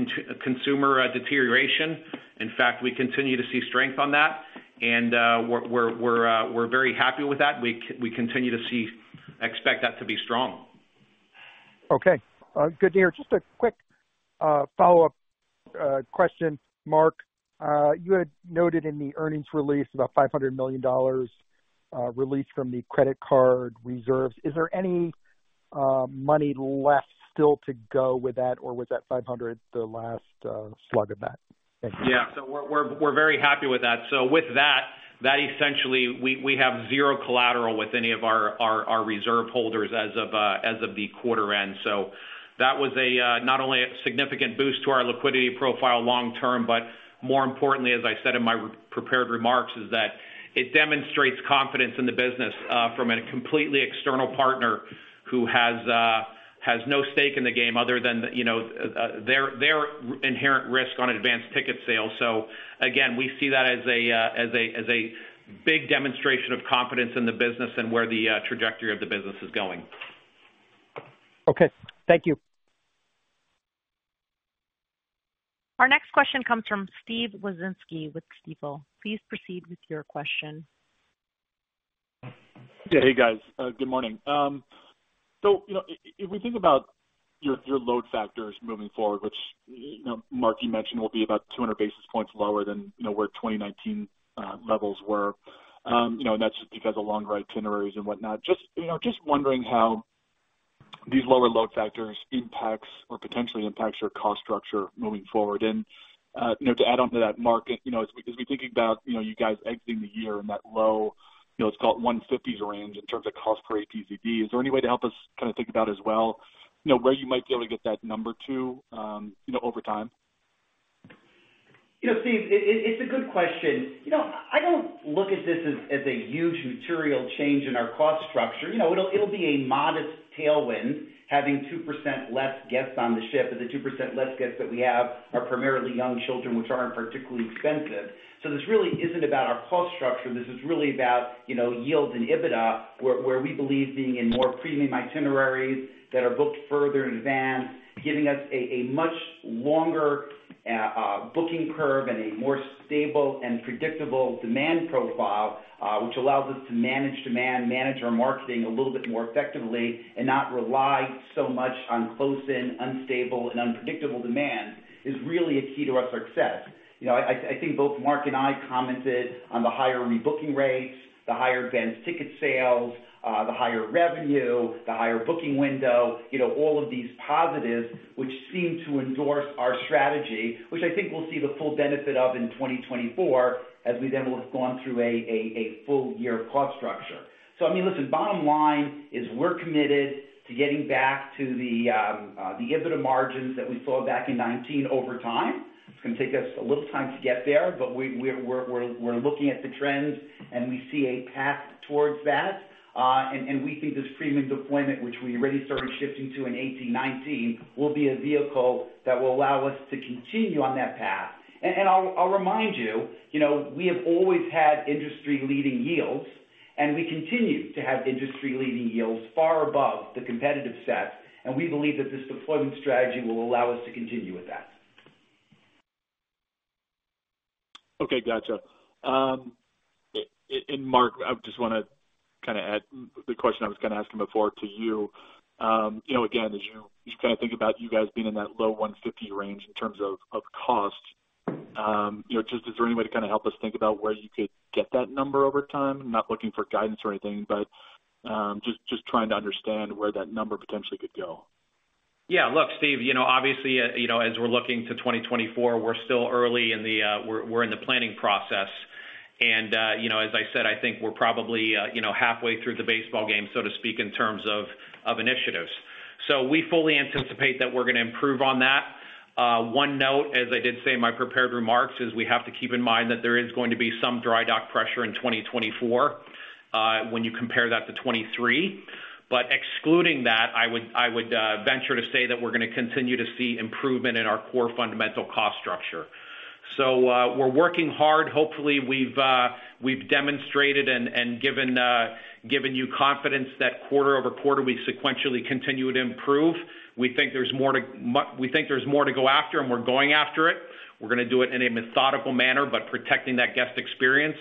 Speaker 4: consumer deterioration. In fact, we continue to see strength on that, and we're, we're very happy with that. We continue to see, expect that to be strong.
Speaker 7: Okay, good to hear. Just a quick follow-up question, Mark. You had noted in the earnings release about $500 million, released from the credit card reserves. Is there any money left still to go with that, or was that 500 the last slug of that? Thank you.
Speaker 4: Yeah. We're, we're, we're very happy with that. With that, that essentially, we, we have zero collateral with any of our, our, our reserve holders as of, as of the quarter end. That was a, not only a significant boost to our liquidity profile long term, but more importantly, as I said in my prepared remarks, is that it demonstrates confidence in the business, from a completely external partner who has, has no stake in the game other than, you know, their, their inherent risk on advanced ticket sales. Again, we see that as a, as a, as a big demonstration of confidence in the business and where the trajectory of the business is going.
Speaker 8: Okay, thank you.
Speaker 1: Our next question comes from Steven Wieczynski with Stifel. Please proceed with your question.
Speaker 9: Yeah. Hey, guys, good morning. You know, if we think about your, your load factors moving forward, which, you know, Mark, you mentioned will be about 200 basis points lower than, you know, where 2019 levels were. You know, that's just because of longer itineraries and whatnot. Just, you know, just wondering how these lower load factors impacts or potentially impacts your cost structure moving forward. You know, to add on to that, Mark, you know, as we, as we think about, you know, you guys exiting the year in that low, you know, let's call it 150s range in terms of cost per APCD, is there any way to help us kind of think about as well, you know, where you might be able to get that number to, you know, over time?
Speaker 3: You know, Steve, it's a good question. You know, I don't look at this as, as a huge material change in our cost structure. You know, it'll, it'll be a modest tailwind, having 2% less guests on the ship, but the 2% less guests that we have are primarily young children, which aren't particularly expensive. This really isn't about our cost structure. This is really about, you know, yield and EBITDA, where, where we believe being in more premium itineraries that are booked further in advance, giving us a much longer booking curve and a more stable and predictable demand profile, which allows us to manage demand, manage our marketing a little bit more effectively, and not rely so much on close-in, unstable and unpredictable demand, is really a key to our success. You know, I, I think both Mark and I commented on the higher rebooking rates, the higher advance ticket sales, the higher revenue, the higher booking window, you know, all of these positives, which seem to endorse our strategy, which I think we'll see the full benefit of in 2024, as we then will have gone through a full year cost structure. I mean, listen, bottom line is we're committed to getting back to the EBITDA margins that we saw back in 2019 over time. It's going to take us a little time to get there, we're looking at the trends, and we see a path towards that. We think this premium deployment, which we already started shifting to in 2018, 2019, will be a vehicle that will allow us to continue on that path. I'll remind you, you know, we have always had industry-leading yields, and we continue to have industry-leading yields far above the competitive set, and we believe that this deployment strategy will allow us to continue with that.
Speaker 9: Okay, gotcha. Mark, I just wanna kind of add the question I was gonna ask him before to you. You know, again, as you, you kind of think about you guys being in that low $150 range in terms of, of cost, you know, just is there any way to kind of help us think about where you could get that number over time? I'm not looking for guidance or anything, but, just, just trying to understand where that number potentially could go.
Speaker 4: Yeah, look, Steve, you know, obviously, you know, as we're looking to 2024, we're still early in the planning process. You know, as I said, I think we're probably, you know, halfway through the baseball game, so to speak, in terms of initiatives. We fully anticipate that we're going to improve on that. One note, as I did say in my prepared remarks, is we have to keep in mind that there is going to be some dry dock pressure in 2024 when you compare that to 2023. Excluding that, I would venture to say that we're going to continue to see improvement in our core fundamental cost structure. We're working hard. Hopefully, we've, we've demonstrated and given, given you confidence that quarter-over-quarter, we sequentially continue to improve. We think there's more to go after, and we're going after it. We're going to do it in a methodical manner, but protecting that guest experience.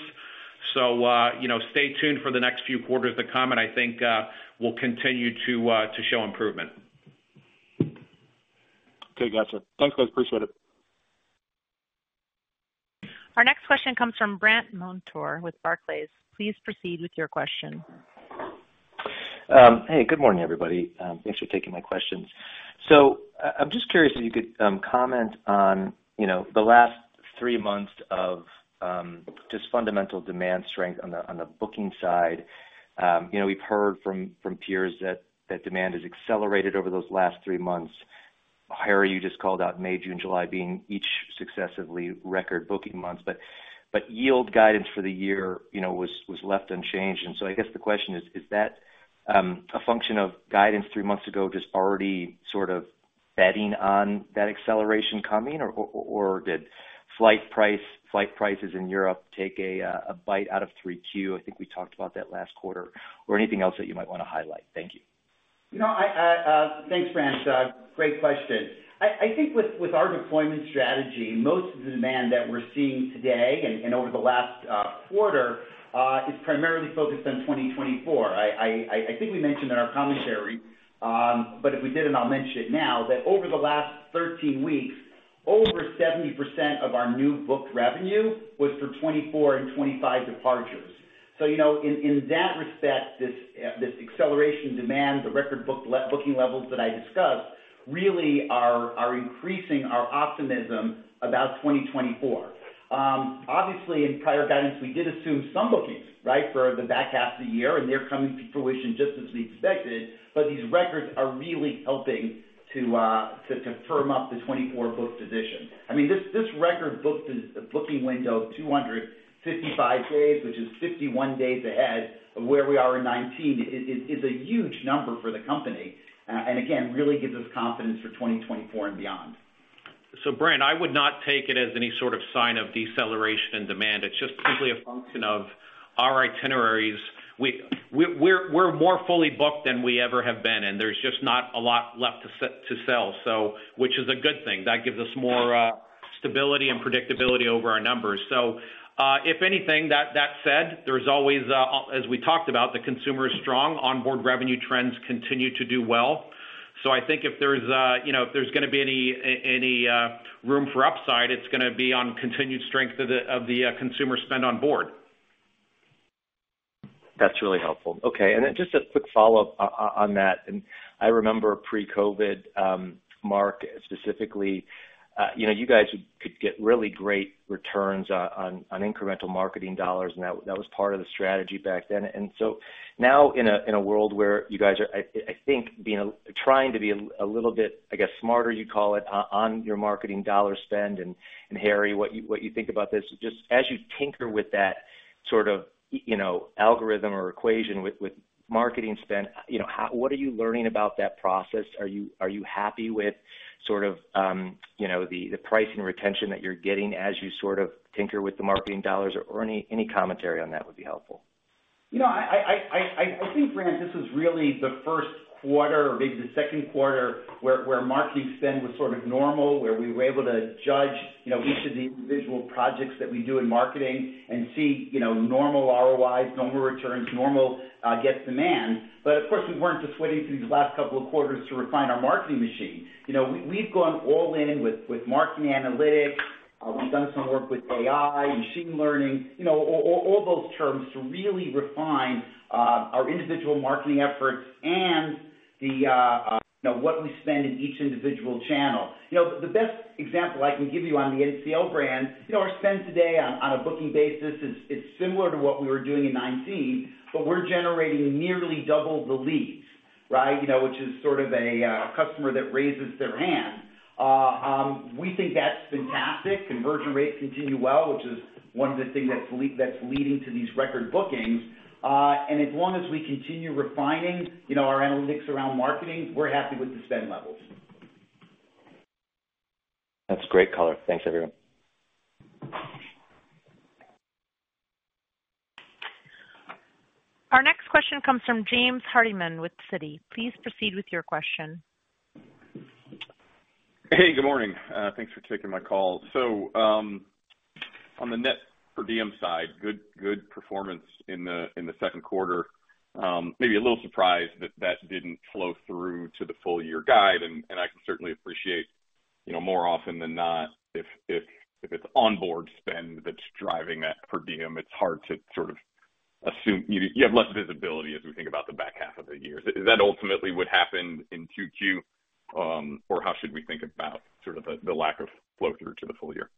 Speaker 4: You know, stay tuned for the next few quarters to come, and I think, we'll continue to show improvement.
Speaker 9: Okay. Gotcha. Thanks, guys. Appreciate it.
Speaker 1: Our next question comes from Brandt Montour with Barclays. Please proceed with your question.
Speaker 8: Hey, good morning, everybody. Thanks for taking my questions. So I'm just curious if you could comment on, you know, the last three months of just fundamental demand strength on the, on the booking side. You know, we've heard from, from peers that, that demand has accelerated over those last three months. Harry, you just called out May, June, July being each successively record booking months. But yield guidance for the year, you know, was, was left unchanged. So I guess the question is: Is that a function of guidance three months ago, just already sort of betting on that acceleration coming? Or did flight prices in Europe take a bite out of 3Q? I think we talked about that last quarter. Anything else that you might want to highlight. Thank you.
Speaker 3: You know, I, I. Thanks, Brandt. Great question. I, I think with our deployment strategy, most of the demand that we're seeing today and over the last quarter is primarily focused on 2024. I think we mentioned in our commentary, but if we didn't, I'll mention it now, that over the last 13 weeks, over 70% of our new booked revenue was for 2024 and 2025 departures. You know, in that respect, this acceleration demand, the record booking levels that I discussed, really are increasing our optimism about 2024. Obviously, in prior guidance, we did assume some bookings, right, for the back half of the year, and they're coming to fruition just as we expected. These records are really helping to to to firm up the 2024 booked position. I mean, this, this record booked is a booking window of 255 days, which is 51 days ahead of where we are in 2019, is, is, is a huge number for the company, and again, really gives us confidence for 2024 and beyond.
Speaker 4: Brent, I would not take it as any sort of sign of deceleration in demand. It's just simply a function of our itineraries. We, we're, we're more fully booked than we ever have been, and there's just not a lot left to sell, which is a good thing. That gives us more stability and predictability over our numbers. If anything, that, that said, there's always, as we talked about, the consumer is strong, onboard revenue trends continue to do well. I think if there's, you know, if there's gonna be any, any room for upside, it's gonna be on continued strength of the, of the consumer spend on board.
Speaker 8: That's really helpful. Okay, then just a quick follow-up on that. I remember pre-COVID, Mark, specifically, you know, you guys could get really great returns on, on incremental marketing dollars, and that, that was part of the strategy back then. So now in a, in a world where you guys are, I, I think, trying to be a little bit, I guess, smarter, you call it, on your marketing dollar spend, and Harry, what you think about this, just as you tinker with that sort of, you know, algorithm or equation with, with marketing spend, you know, what are you learning about that process? Are you, are you happy with sort of, you know, the, the pricing retention that you're getting as you sort of tinker with the marketing dollars? Any, any commentary on that would be helpful.
Speaker 3: You know, I, I, I, I, I think, Brant, this is really the first quarter or maybe the second quarter, where, where marketing spend was sort of normal, where we were able to judge, you know, each of the individual projects that we do in marketing and see, you know, normal ROIs, normal returns, normal, get demand. Of course, we weren't just waiting through these last couple of quarters to refine our marketing machine. You know, we've gone all in with, with marketing analytics. We've done some work with AI, machine learning, you know, all, all, all those terms to really refine, our individual marketing efforts and the, you know, what we spend in each individual channel. You know, the best example I can give you on the NCL brand, you know, our spend today on a booking basis is similar to what we were doing in 2019, we're generating nearly double the leads, right? You know, which is sort of a customer that raises their hand. We think that's fantastic. Conversion rates continue well, which is one of the things that's leading to these record bookings. And as long as we continue refining, you know, our analytics around marketing, we're happy with the spend levels.
Speaker 8: That's great color. Thanks, everyone.
Speaker 1: Our next question comes from James Hardiman with Citi. Please proceed with your question.
Speaker 10: Hey, good morning. Thanks for taking my call. On the Net Per Diem side, good, good performance in the, in the second quarter. Maybe a little surprised that that didn't flow through to the full year guide, and, and I can certainly appreciate, you know, more often than not, if, if, if it's onboard spend that's driving that Net Per Diem, it's hard to sort of assume... You, you have less visibility as we think about the back half of the year. Is that ultimately what happened in Q2, or how should we think about sort of the, the lack of flow through to the full year?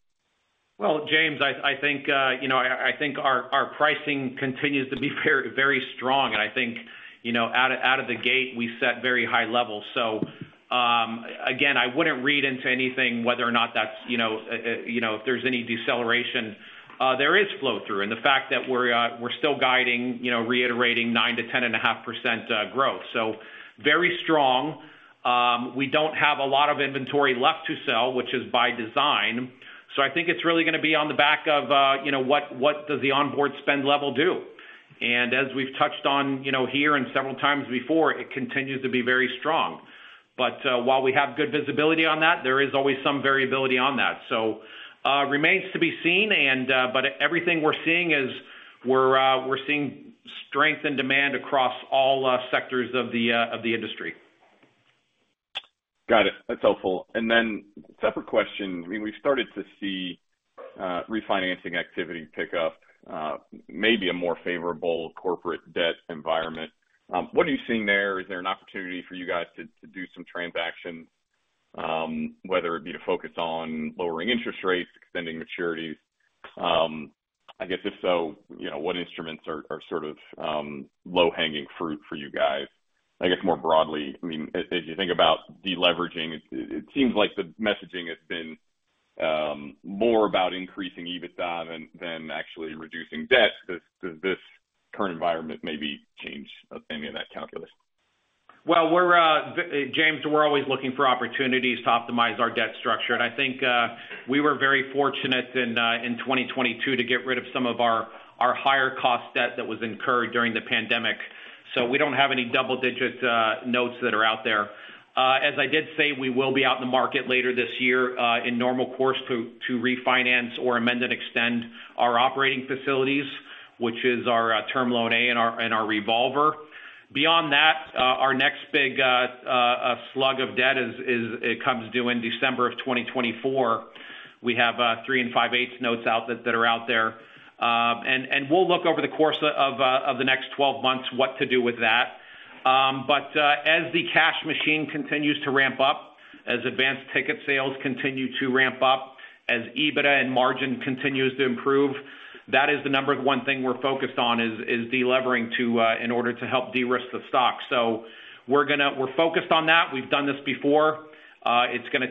Speaker 4: Well, James, I, I think, you know, I, I think our, our pricing continues to be very, very strong, and I think, you know, out of, out of the gate, we set very high levels. Again, I wouldn't read into anything, whether or not that's, you know, if there's any deceleration. There is flow through, and the fact that we're, we're still guiding, you know, reiterating 9%-10.5% growth. Very strong. We don't have a lot of inventory left to sell, which is by design. I think it's really gonna be on the back of, you know, what, what does the onboard spend level do? As we've touched on, you know, here and several times before, it continues to be very strong. While we have good visibility on that, there is always some variability on that. Remains to be seen and, but everything we're seeing is we're, we're seeing strength and demand across all sectors of the of the industry.
Speaker 10: Got it. That's helpful. Separate question, I mean, we've started to see refinancing activity pick up, maybe a more favorable corporate debt environment. What are you seeing there? Is there an opportunity for you guys to, to do some transactions, whether it be to focus on lowering interest rates, extending maturities? I guess, if so, you know, what instruments are, are sort of, low-hanging fruit for you guys? I guess, more broadly, I mean, as you think about deleveraging, it, it seems like the messaging has been more about increasing EBITDA than, than actually reducing debt. Does, does this current environment maybe change any of that calculus?
Speaker 4: Well, we're, James Hardiman, we're always looking for opportunities to optimize our debt structure, and I think, we were very fortunate in 2022 to get rid of some of our higher cost debt that was incurred during the pandemic. We don't have any double-digit notes that are out there. As I did say, we will be out in the market later this year, in normal course, to refinance or amend and extend our operating facilities, which is our Term Loan A and our revolver. Beyond that, our next big slug of debt is it comes due in December of 2024. We have 3 5/8% notes out that are out there. We'll look over the course of the next 12 months, what to do with that. As the cash machine continues to ramp up, as advanced ticket sales continue to ramp up, as EBITDA and margin continues to improve, that is the number 1 thing we're focused on, is delivering to in order to help de-risk the stock. We're focused on that. We've done this before. It's gonna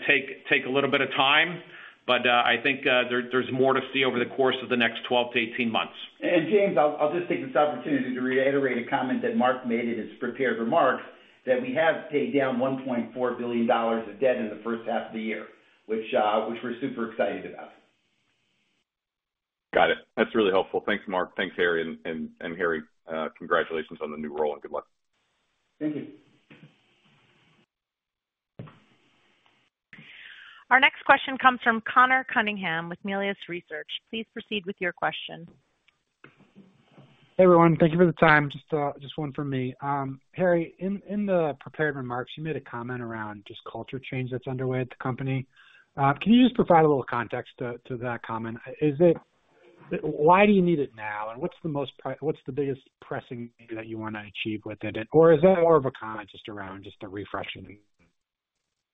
Speaker 4: take a little bit of time.
Speaker 3: I think there's more to see over the course of the next 12 to 18 months. James, I'll, I'll just take this opportunity to reiterate a comment that Mark made in his prepared remarks, that we have paid down $1.4 billion of debt in the first half of the year, which, which we're super excited about.
Speaker 10: Got it. That's really helpful. Thanks, Mark. Thanks, Harry, and, and, and Harry, congratulations on the new role, and good luck.
Speaker 3: Thank you.
Speaker 1: Our next question comes from Conor Cunningham with Melius Research. Please proceed with your question.
Speaker 11: Hey, everyone. Thank you for the time. Just, just one from me. Harry, in, in the prepared remarks, you made a comment around just culture change that's underway at the company. Can you just provide a little context to, to that comment? Why do you need it now? And what's the biggest pressing need that you want to achieve with it? Or is that more of a comment just around just a refreshing?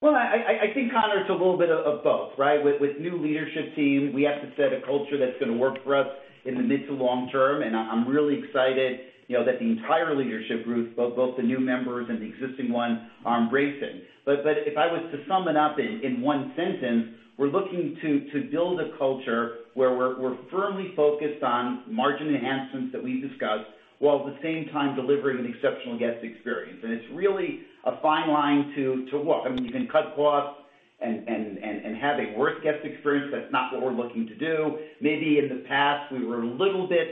Speaker 3: Well, I, I, I think, Conor, it's a little bit of, of both, right? With, with new leadership team, we have to set a culture that's going to work for us in the mid to long term, and I'm, I'm really excited, you know, that the entire leadership group, both, both the new members and the existing one, are embracing. If I was to sum it up in, in one sentence, we're looking to, to build a culture where we're, we're firmly focused on margin enhancements that we've discussed, while at the same time delivering an exceptional guest experience. It's really a fine line to, to walk. I mean, you can cut costs and, and, and, and have a worse guest experience. That's not what we're looking to do. Maybe in the past, we were a little bit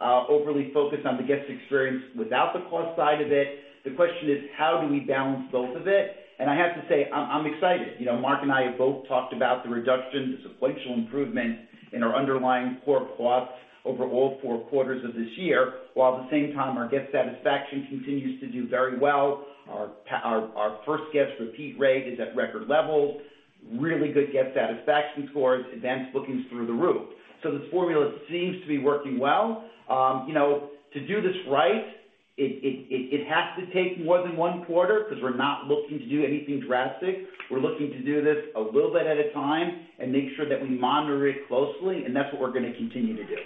Speaker 3: overly focused on the guest experience without the cost side of it. The question is, how do we balance both of it? I have to say, I'm excited. You know, Mark and I have both talked about the reduction, the sequential improvement in our underlying core costs over all four quarters of this year, while at the same time, our guest satisfaction continues to do very well. Our first guest repeat rate is at record levels, really good guest satisfaction scores, advance bookings through the roof. The formula seems to be working well. You know, to do this right, it has to take more than one quarter, because we're not looking to do anything drastic. We're looking to do this a little bit at a time and make sure that we monitor it closely, and that's what we're going to continue to do.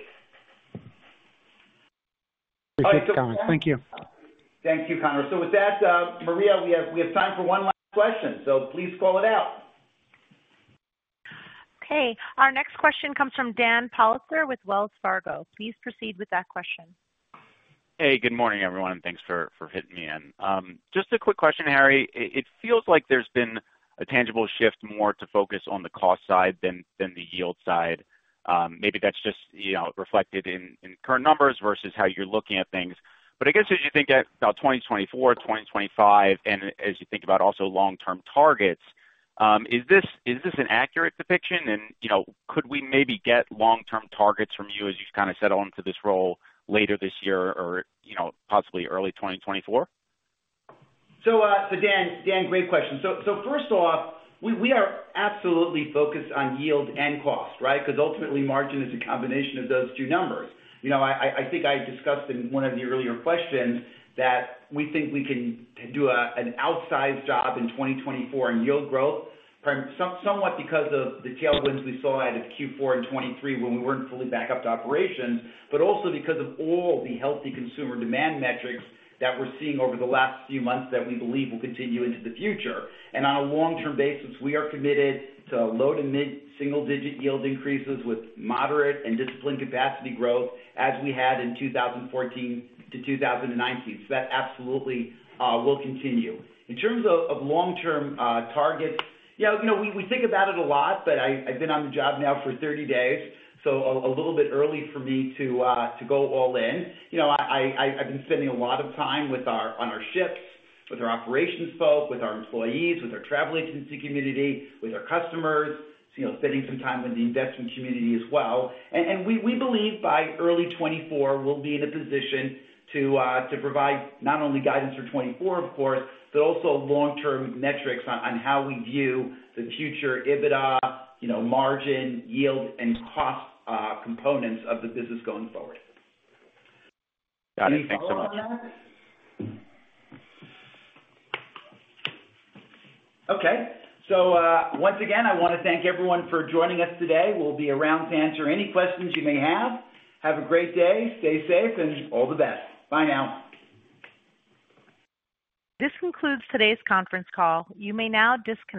Speaker 11: Thank you.
Speaker 3: Thank you, Conor. With that, Maria, we have, we have time for one last question, so please call it out.
Speaker 1: Our next question comes from Dan Politzer, with Wells Fargo. Please proceed with that question.
Speaker 12: Hey, good morning, everyone, and thanks for, for fitting me in. Just a quick question, Harry. It, it feels like there's been a tangible shift, more to focus on the cost side than, than the yield side. Maybe that's just, you know, reflected in, in current numbers versus how you're looking at things. I guess, as you think about 2024, 2025, and as you think about also long-term targets, is this, is this an accurate depiction? You know, could we maybe get long-term targets from you as you kind of settle into this role later this year or, you know, possibly early 2024?
Speaker 3: Dan, Dan, great question. First off, we are absolutely focused on yield and cost, right? Because ultimately, margin is a combination of those two numbers. You know, I think I discussed in one of the earlier questions that we think we can do an outsized job in 2024 in yield growth. Somewhat because of the tailwinds we saw out of Q4 in 2023, when we weren't fully back up to operations, but also because of all the healthy consumer demand metrics that we're seeing over the last few months that we believe will continue into the future. On a long-term basis, we are committed to low to mid-single-digit yield increases with moderate and disciplined capacity growth, as we had in 2014 to 2019. That absolutely will continue. In terms of, of long-term targets, yeah, you know, we, we think about it a lot, but I, I've been on the job now for 30 days, so a little bit early for me to go all in. You know, I, I, I've been spending a lot of time with on our ships, with our operations folk, with our employees, with our travel agency community, with our customers, you know, spending some time with the investment community as well. We, we believe by early 2024, we'll be in a position to provide not only guidance for 2024, of course, but also long-term metrics on, on how we view the future EBITDA, you know, margin, yield, and cost components of the business going forward.
Speaker 12: Got it. Thanks so much.
Speaker 3: Okay. Once again, I want to thank everyone for joining us today. We'll be around to answer any questions you may have. Have a great day, stay safe, and all the best. Bye now.
Speaker 1: This concludes today's conference call. You may now disconnect.